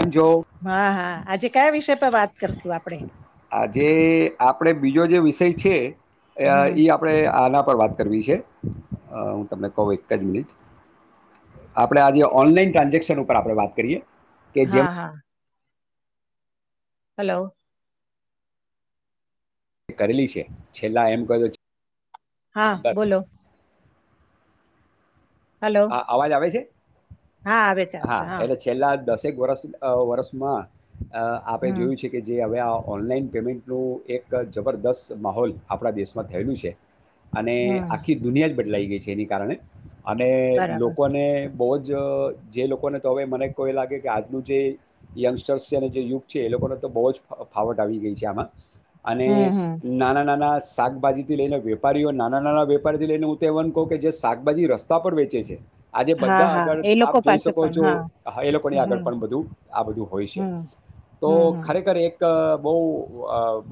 કેમ છો? હા હા આજે કયા વિષ પર વાત કરશું આપડે? આજે આપડે બીજો જે વિષય છે હમ ઈ આપડે આના પર વાત કરવી છે હું તમને કહું એક જ મિનિટ આપડે આજે ઓનલાઈન ટ્રાન્ઝેક્શન ઉપર આપણે વાત કરીએ કે જેમ હા હા હલો તે કરેલી છે છેલ્લા એમ કો હા બોલો હલો હ અવાજ આવે છે હા આવે છે આવે છે હા એટલે છેલ્લા દસેક વર્ષ વર્ષમાં આપે હમ જોયું છે કે જે હવે ઓનલાઈન પેમેન્ટનું એક જબરદસ્ત માહોલ આપણા દેશમાં થયેલું છે અને હમ આખી દુનિયા જ બદલાઈ ગઈ છે એની કારણે અને બરાબર લોકોને બહુ જ જે લોકોને તો હવે મને એ લાગે કે આજનું જે યંગસ્ટર્સ છે અને જે યુથ છે તો બ જ ફાવટ આવી ગઈ છે આમાં અને હમ હમ નાના નાના શાકભાજી થી લઈને વેપારીઓ નાના નાના વેપારી થી લઈને હું તહેવાન કહું કે જે શાકભાજી રસ્તા સ્થપ પર વેચે છે આજે હા બધા હા આગળ એ લોકો આપ જોઈ પાસે શકો પણ છો હા એ લોકોની આગળ હમ પણ બધું આ બધું હોય છે હમ તો હમ હમ ખરેખર એક બહ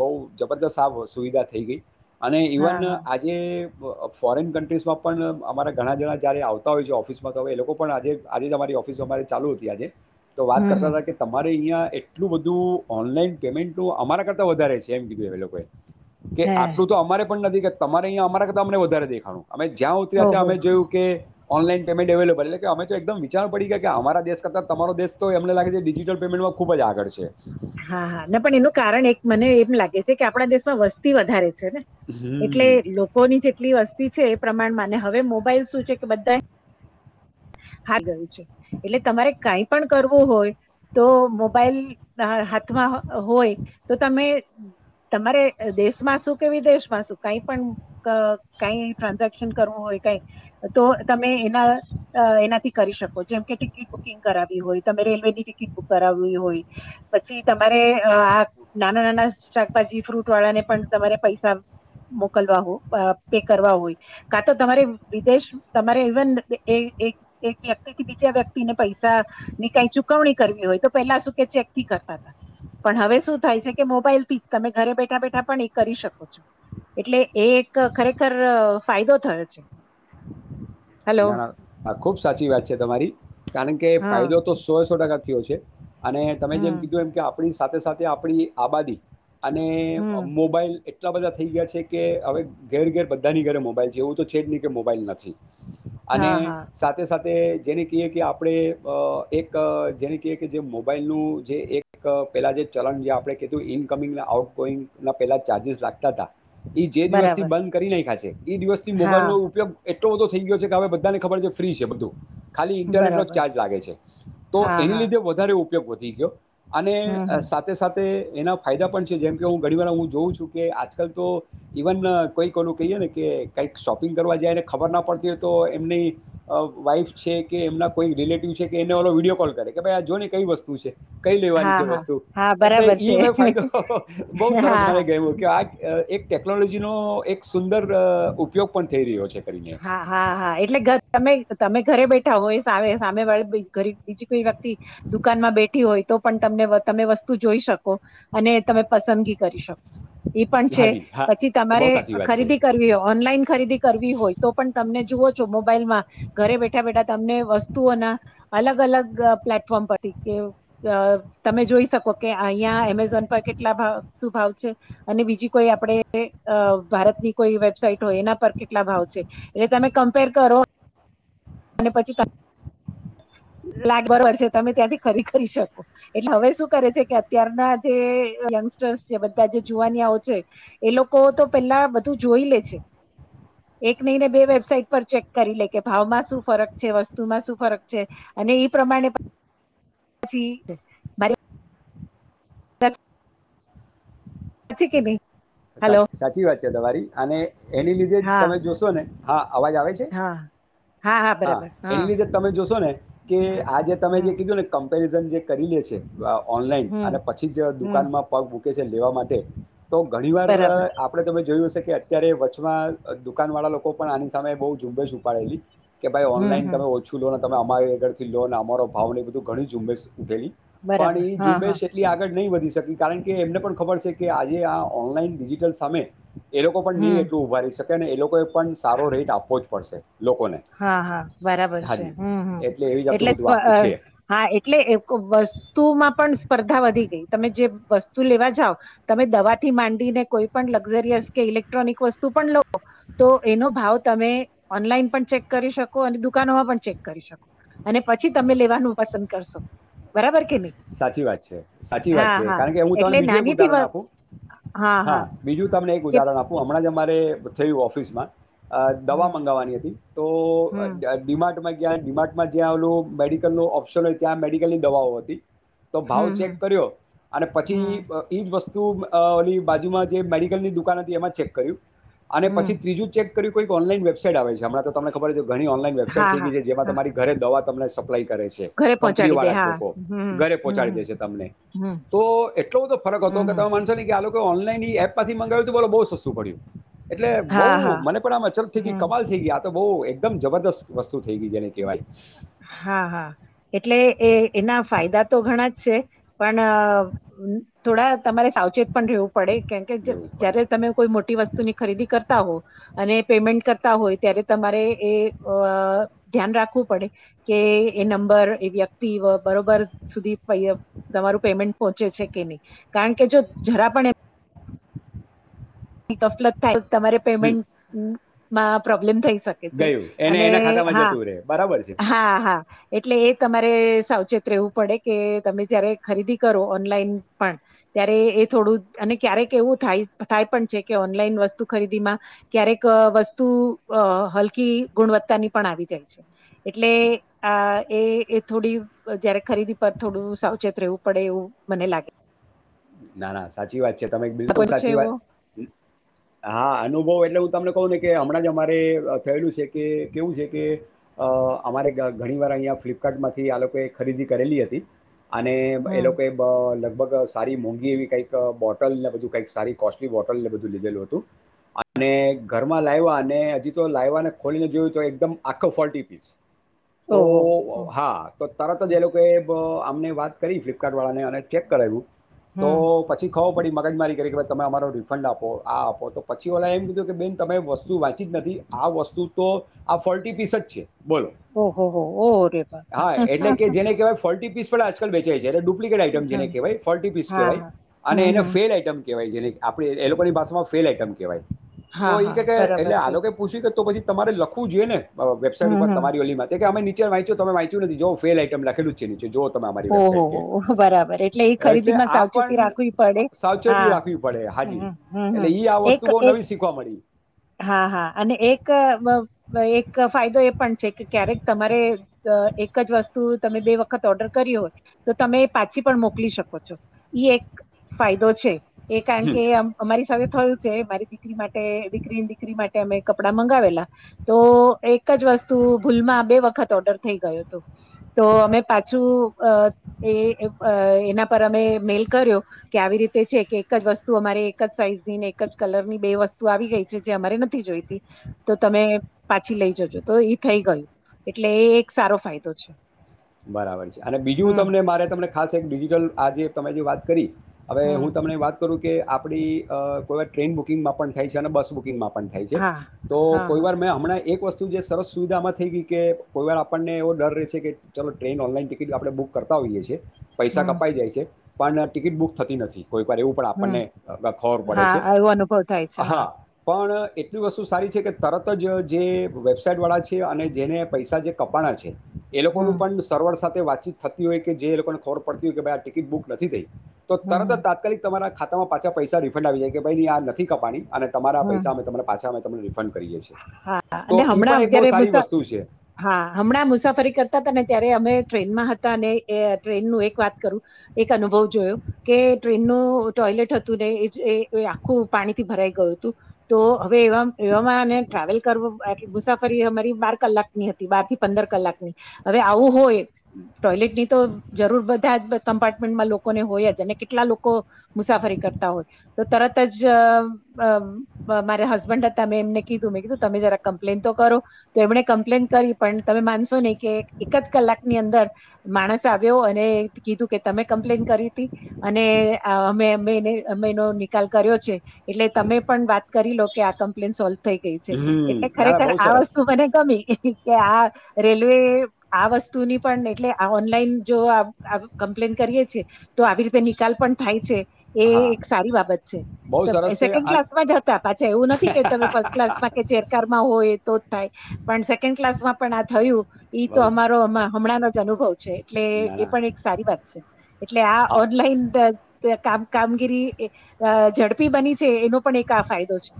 બહ જબરદસ્ત આ સુવિધા થઈ ગઈ અને હા ઇવન હા આજે ફોરેન કન્ટ્રીઝમાં પણ અમારા ઘણા જણા જયારે આવતા હોય છે ઓફિસમાં તો એ લોકો પણજ આજે તમારી ઓફિસ અમારે ચાલુ હતી આજે તો વાત હમ હમ કરતા હતા કે તમારે અહિયાં એટલું બધું ઓનલાઈન પેમેન્ટ તો અમારા કરતા વધારે છે એમ કીધું એ લોકોએ કે હે આટલું તો અમારે પણ નથી કે તમારે અહીંયા અમારાતા અમને વધારે દેખાનું અમે જ્યાં ઉતર્યા ઓહો અમે જોયું કે ઓનલાઈન પેમેન્ટ અવેલેબલ એટલે કે અમે એકમ વિચ પડી ગયા કે અમારા દેશ કરતા તમારો દેશ તો એમને લાગે છે ડિજિટલ પેમેન્ટમાં ખુબ જ આગળ છે હા હા પણ એનું કારણ એક મને એમ લાગે છે કે આપણા દેશમાં વસ્તી વધારે છે એટલે હમ લોકોની જેટલી વસ્તુ છે એ પ્રમાણમાં અને હવે મોબાઈલ શું છે કે બધા હા જયું છે એટલે તમારે કઈ પણ કરવું હોય તો મોબાઈલ હાથમાં હોય તો તમે તમારે દેશમાં શું કે વિદેશ માં શું કઈ પણ કઈ ટ્રાન્ઝેક્શન કરવું હોય ક તો તમે એના એનાથી કરી શકો જેમ કે ટિકિટ બુકિંગ કરાવવી હોય તમે રેલવેની ટિકિટ બુક કરાવવી હોય પછી તમારે આ નાના નાના શાકભાજી ફ્રૂટ વાળા ને પણ તમારે પૈસા મોકલવા હો પે કરવા હોય કા તો તમારે વિદેશ તમારે ઇવન એ એક એક વ્યક્તિ થી બીજા વ્યક્તિને પૈસા ની કઈ ચુકવણી કરવી હોય તો પેલા શું કે ચેક થી કર પણ હવે શું થાય છે કે મોબાઈલથી જ તમે ઘરે બેઠા બેઠા પણ એ કરી શકો છો એટલે એ એક ખરેખર ફાયદો થયો છે હેલો ના ના હા ખુબ સાચી વાત છે તમારી કારણ કે હા ફાયદો તો સો સો ટકા અને તમે જેમ હમ કીધું એમ કે આપણી સાથે સાથે આપણી આબાદી અને હમ મોબાઈલ એટલા બધા થઈ ગયા છે કે હવે ઘેર ઘેર બધાની ઘરે મોબાઈલ છે એવું તો છે જ નહી કે મોબાઈલ નથી અને હા હા સાથે સાથે જેને કહીએ કે આપણે એક જેને કહીએ કે જે મોબાઈલનું જે એક પેલા જે ચલણ જે આપણે કીધું ઇનકમિંગ આઉટગોઈંગ ના પેલા ચાર્જસ લાગતા હતા જે દિવસ થી બરાબર બંધ કરી ના ખાય છે એ દિવસથી હા મોબાઈલ નો ઉપયોગ એટલો બધો થઈ ગયો છે કે હવે બધાનેબર છે ફ્રી છે બધું ખાલી ઇન્ટરનેટ નો બરાબર ચાર્જ લાગે છે તો હા એની હા લીધે વધારે ઉપયોગ વધી ગયો અને હમ હમ સાથે સાથે એના ફાયદા પણ છે જેમ કે હું ઘણી વાર હું જોઉં છું કે આજકાલ તો ઇવન કોઈ કોનું કહીએ કે કઈક શોપિંગ કરવા જાયને ખબર પડતી તો એમની વાઈફ છે કે એમના કોઈ રિલેટિવ છે કે એને ઓલો વિડીયો કોલ કરે કે ભાઈ આ જો કઈ વસ્તુ છે કઈ લેવાની હા છે હા વસ્તુ હા એટલે બરાબર છે ઈ મેં ફાયદો બહ સરસ હા મને ગ કે આ એક ટેકનોલોજીનોો એક સુંદર ઉપયોગ પણ થઈ રહ્યો છે કરીને હા હા હા એટલે તમે તમે ઘરે બેઠા હો એ સામે સામે વાળ ઘ બીજી કોઈ વખતિ દુકાનમાં બેઠી હોય તો પણ તમને તમે વસ્તુ જોઈ શકો અને તમે પસંદગી કરી શકો એ પણ છે હાજી હા પછી એ બહુ તમારે સાચી વાત છે ખરીદી કરવી હોય ઓનલાઈન ખરીદી કરવી હોય તો પણ તમને જુવ છો મોબાઈલમાં ઘરે બેઠા બેઠા તમને વસ્તુઓના અલગ અલગ પ્લેટફોર્મ પરથી કે તમે જોઈ શકો કે અહિયાં એમેઝોન પર કેટલા શું ભાવ છે અને બીજી કોઈ આપણે ભારતની કોઈ વેબસાઈટ હોય એના પર કે, કેટલા ભાવ છે. એટલે તમે કમ્પેર કરો અને પછી, લાગ બરબર છે. તમે ત્યાંથી ખરી કરી શકો એટલે હવે શું કરે છે કે, અત્યારના જે બધા જે જોુવાની છે. એ લોકો તો પેલા બધું જોઈ લે છે. એક નહીને બે વેબસાાઈટ પર ચેક કરી લે કે, ભાવમાં શું ફરક છે. વસ્તુમાં શું ફરક છે. અને એ પ્રમાણે પછી મારે સરત હ છે કે ભ સા સાચી વાત છે દવારી અને એની લીધે જ હા તમે જોશો ને હા અવાજ આવે છે હા હા એની લીધે તમે જોશો ને કે આજે તમે હમ જે કીધું ને કમ્પેરિઝન જે કરી લે છે. ઓનલાઈન અને હમ પછી જે હમ દુકાનમાં પગ મૂકે છે, લેવા માટે તો ઘણી વાર બરાબર આપડે તમે જોયું હશે. કે અત્યારે વચમાં દુકાન વાળા લોકો પણ આની સામે બહ ઝુંબેશ ઉપાડેલી કે ભાઈ હમ ઓનલાઈન હમ તમે ઓછું લો ને તમે અમારી આગળથી લોને અમારો ભાવ ન એ બધું ઘણી ઝુંબેશ છે. ઉઠેલી પણ બરાબર એ હા હા ઝુંબેશ એટલી આગળ નહીં વધી શકી કારણ કે એમને પણ ખબર છે કે આજે આ ઓનલાઈન ડિજિટલ સામે એ લોકો પણ હમ નહીં એટલું ઉભારી શકે. ક્યારે એ લોકોએ પણ સારો રેટ આપવો જ પડશે. લોકોને હા, હા બરાબર છે, હાજી હું, હું. એવી એટલે જાતનું બધું આખું છે હા એટલે વસ્તુમાં પણ સ્પર્ધા વધી ગઈ તમે જે વસ્તુ. લેવા જાવ તમે દવા થી માંડીને કોઈ પણ લક્ઝરીયસ કે ઇલેક્ટ્રોનિક વસ્તુ પણ લો. તો એનો ભાવ તમે ઓનલાઈન પણ ચેક. કરી શકો અને દુકાનોમાં પણ ચેક કરી શકો અને પછી તમે લેવાનું પસંદ કરશો. બરાબર કે નહી સાચી વાત છે, સાચી વાત હા છે, હા કારણ કે હું તને એટલે બીજું એક નાનીથી વ ઉદાહરણ આપું. હા બીજું તમને એક કે ઉદાહરણ આપું હમણાં જ. થયું ઓફિસમાં દવા હમ મંગાવવાની હતી, તો હમ ડિમાન્ડ માંઇ ત્યાં ડિમાગમાં જ્યાં આવેલું મેડિકલ નો ઓપ્શન હોય ત્યાં મેડિકલ ની દવાઓ હતી. તો ભાવ હમ ચેક હમ કર્યો અને પછી હમ ઈજ વસ્તુ ઓ બાજુમાં જે મેડિકલની દુકાન હતી એમાં ચેક કર્યું અને હમ પછી ત્રીજું ચેક કોઈક ઓનલાઈન વેબાઈટ આવે છે, હમણાં તમને ખબર હતી. ઘણી ઓનલાઇન વેબસાાઈટ હા થઈ હા ગઈ છે, જેમાં હા તમારી ઘરે દવા તમને સપ્લાય કરે છે, ઘરે કંપની પહોંચાડી દે વાળા જ હા લોકો હમ ઘરે હમ પહોચાડી દેશે તમને હમ તો એટલો બધો ફરક હતો, હમ કે હમ તમે માનશો ને કે આ ઓનલાઈન એપમાંથી મંગાવ્યું, બોલો બહુ સસ્તું પડ્યું. એટલે હા બઉુ હા મને પણ આમ અચરત થઈ ગઈ હમ કમાલ થઈ ગઈ, આ તો બહુ એકદમ જબરદસ્ત વસ્તુ. થઈ ગઈ જેને કહેવાય હા, હા એટલે એ એના ફાયદા. તો ઘણા જ છે, પણ થોડા તમારે સાવચેત. પણ રહેવું પડે કેમ કે જરૂર જયારે પડે તમે કોઈ મોટી વસ્તુ ની ખરીદી કરતા હોય. અને પેમેન્ટ કરતા હોય ત્યારે તમારે એ. ધ્યાન રાખવું પડે કે એ નંબર એ વ્યક્તિ બરોબર સુધી. મારું પેમેન્ટ પહોંચ્યું છે, કે નહી કારણ કે જો જરા પણ એ કફલત થાય તમારે હમ પેમેન્ટમાં પ્રોબ્લેમ થઈ ગઈ. છે, ગયું એને અને એના ખાતામાં હા, જતું રહે બરાબર છે હા, હા. એટલે એ તમારે સાવચેત રહેવું પડે કે તમે જયારે ખરીદી કરો ઓનલાઈન પણ. ત્યારે એ થોડું અને ક્યારેક એવું થાય થાય પણ. કે ઓનલાઈન વસ્તુ ખરીદી માં ક્યારેક વસ્તુ હલકી ગુણવત્તા ની પણ. આવી જાય છે. એટલે આ એ થોડી જયારે ખરીદી પર થોડું સાવચેત રહેવું પડે એવું. મને લાગે. ના ના સાચી વાત છે, તમે બિલકુલ કોઈ છે સાચી એવો વાત હા અનુભવ. એટલે હું તમને કહું ને કે હમણાં જ અમારે થયેલું છે, કે કેવું છે, કે અમારે ઘણી વાર અહીંયા ફ્લિપકાર્ટ માંથી આ લોકોએ ખરીદી કરેલી હતી. અને એ હમ લોકો લગભગ સારી મોંઘી. એવી કંઈક બોટલ ને બધું કંઈક સારી કોસ્ટલી બોટલ ને બધું લીધેલું હતું. અને ઘરમાં લાવવા અને હજી તો લાવવાને ખોલીને જોયું તો એકદમ આખો ફોલ્ટી પીસ. તો ઓહો હમ હા તો તરત જ એ લોકોએ આમને વાત કરી ફ્લિપકાર્ટ વાળાને. અને ચેક કરવુ તો હમ. પછી કવ. પડી મગજમારી કરી કે ભ તમે અમારો રિફંડ આપો આ આપો તો પછી ઓલા એમ કીધું કે બેન તમે વસ્તુ વાંચી જ નથી. આ વસ્તુ તો આ ફોર્ટી પીસ જ છે. બોલ ઓહોહો! ઓહો રે બાપ! હા એટલે કે જેને કહેવાય ફોલ્ટી પીસ. આજકાલ વેચાય છે, ડુપ્લિકેટ આઈટમ હા, જેને કહેવાય ફોર્ટી પીસ કહેવાય હા. અને હમ, એને હમ. Fail item. કેવાય જેઆપ એ લોકોની ભમાં ફેલ આઈટમ કહેવાય હા, તો એ હા. કે બરાબર એટલે આ છે. લોકો પૂછ્યું કે તો પછી. તમારે લખવું જોઈએ ને અ વેબસાઇટ હમ, ઉપર હમ. તમારી ઓલીમાં તો કે અમે ની વાંચ વાય્ચુ તમે વાચ્યું નથી જો ફેલ આઈટમ લખેલુ જ છે, નીચે જોવો [unintelligible] અમારી વેબસાાઈટ ઓહોહો! બરાબર એટલે એ કે એટલે ખરીદીમાં આપ સાવચેતી રાખવી પડે. સાવચેતી હા. રાખવી પડે હમ, હાજી હમ, એટલે હમ. ઈ આ એક વસ્તુ [unintelligible] એ નવી શીખવા મળે. હા હા અને એક અ એક ફાયદો એ પણ છે, કે ક્યારેક તમારે અ એક જ વસ્તુ તમે બે વખત ઓર્ડર કરી હોય તો તમે પાછી પણ મોકલી શકો છો ઇએ એક ફાયદો છે, એ કારણ હમ કે અમારી સાથે થયું છે, મારી દીકરી માટે દીકરીન દીકરી માટે અમે કપડા મંગાવેલા તો એક જ વસ્તુ ભૂલમાં બે વખત ઓર્ડર થઈ ગયો હતો તો અમે પાછું અ એ એના પર અમે [unintelligible] મેલ કર્યો કે આવી રીતે છે, કે એક જ વસ્તુ અમારે એક જ સાઈઝ ની ને એક જ કલર ની બે વસ્તુ આવી ગઈ. જે અમારી નથી જોઈતી તો તમે પાછી લઈ જજો તો એ થઈ ગયું. એટલે એ એક સારો ફાયદો છે. બરાબર છે, અને બીજું હમ તમને મારે તમને ખાસ એક ડિજટલ આ જે તમે જે વાત કરી હવે હમ હું તમને વાત કરું કે આપડી અ કોઈ વા ટ્રેન બુકિંગમાં પણ થાય છે, અને બસ બુકિંગમાં પણ પણ થાય છે, હા તો હા કોઈ હા વાર મેં હમણા એક વસ્તુ જે સરસ સુવિધામાં થઈ ગઈ કે કોઈ વાર આપણને એવો ડર રહે છે, કે ચાલો ટ્રેન ઓનલાઈન ટિકિટ આપણે બૂક કરતા હોઈએ છીએ પૈસા હમ કપાઈ જાય છે, પણ ટિકિટ બુક થતી નથી. કોઈ વાર એવું પણ હમ આપણને ખબર પડે છે, હા એવો અનુભવ થાય છે હા પણ એટલી વસ્તુ સારી છે, કે તરત જ જે વેબસાઇટવાળા છે, અને જેને પૈસા જે કપાના છે. એ લોકોનું હમ પણ સાથે વાતચીત થતી હોય કે જે લોકોને ખબર પડતી હોય કે ભાઈ આ ટિકિટ બુક નથી થઈ. તો તરત જ હમ તાત્કાલિક તમારા ખાતામાં પાછા પૈસા રિફંડ આવી જાય કે ભાઈની આ નથી કપાની અને તમારા હમ પૈસા અમે તમારે પાછા અમે તને રિફંડ કરીએ છીએ. હા તો અને ઈ પણ હમણાં એક બહુ જયારે સારી મુસા વસ્તુ છે. હા હમણાં મુસાફરી કરતાતા ને ત્યારે અમે ટ્રેનમાં હતા અને એ ટ્રેનનું એક વાત કરું એક અનુભવ જોયો કે ટ્રેન નું ટોયલેટ હતું ને આખું પાણીથી ભરાઈ ગયું હતું તો હવે એ એવામાં એવામાંને ટ્રાવેલ કરવો એટલી મુસાફરી અમારી બાર કલાકની હતી બાર થી પંદર કલાકની હવે આવું હોય ટોયલેટ ની તો જરૂર બધા જ કમ્પાર્ટમેન્ટમાં લોકોને હોય જ અને કેટલા લોકો મુસા મુસાફરી કરતા હોય તો તરત જ અ મારા હસબન્ડ હતા મે એમને કીધું મે કીધું તમે જ કમ્પ્લેન તો કરો તો એમણે કમ્પ્લેન કરી પણ તમે માનશો નઈ કે એક જ કલા કલાક ની અંદર માણસ આવ્યો અને કીધું કે તમે કમ્પ્લેન કરી હતી અને અ અમે અમે ને અમે એનો નિકાલ કર્યો છે એટલે તમે પણ વાત કરી લો કે આ કમ્પ્લેન સોલ્વ થઈ ગઈ છે હમ્મ. એટલે ના, ના ખરેખર બહુ આ સરસ. વસ્તુ મને ગમી કે આ રેલવે આ વસ્તુની પણ એટલે આ ઓનલાઈન જો કમ્પ્લેન કરીએ છી તો તો આવી રીતે નિકાલ પણ થાય છે. એ હા, એક સારી બાબત બહુ છે સરસ છે સેકન્ડ અન ક્લાસ માં જ હતા પાછા એવું નથી કે તમે ફસ [unintelligible] હોય તો જ થાય પણ સેકન્ડ ક્લાસમાં પણ આ થયું ઈતો બહુ અમારો સરસ. આમા હમણાંનો જ અનુભવ છે એટલે ના, એ ના. પણ એક સારી વાત છે એટલે આ અ ઓનલાઈન કામ કામગીરી અ ઝડપી બની છે એનો પણ એક આ ફાયદો છે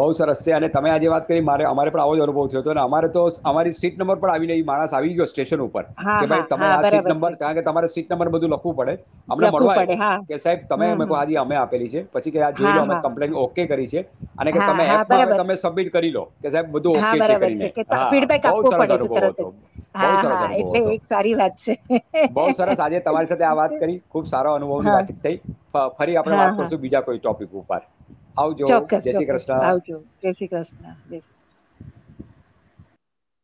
બહુ સરસ્યા અને તમે આજે વાત કરી મારે અમારે પણ આવો જ અનુભવ થયો હતો અને અમારે તો અમારી સીટ નંબર પણ આવી નહી માણસ આવી ગયો સ્ટેસન ઉપર હા કે હા ભાઈ તમે હા આ સીટ બરાબર છે નંબર કારણ કે તમારે સીટ નંબર બધું લખવું પડે અમને લખવું મળવા પડે આયવો હા કે કે સાહેબ તમે હમ અમે હમ હાજી અમે આપેલી છે પછી કે આ જોઈ હા લો અમે હા કમ્પ્લેન ઓકે કરી છે. અને કે હા તમે હા એપમાં આવે બરાબર તમે સબમિટ કરી લો કે સાહેબ બધું હા ઓકે છે બરાબર કરીને કે હા ફીડબેક બહ આપવો સરસ પડે છે તરત અનુભવ. જ હા બવ સરસ હા અનુભવ એટલે હતો. એક સારી વાત છે બવ સરસ આજે તમારી સાથે આ વાત કરી ખૂબ સારો અનુભવની હા વાતચીત થઈ ફરી આપણે હા વાત હા કરશું બીજા કોઈ ટોપિક ઉપર આવજો. ચોક્કસ જય શ્રી ચોક્કસ કૃષ્ણ આવજો જય શ્રી કૃષ્ણ જય. [unintelligible]